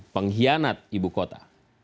pengkhianat ibu kota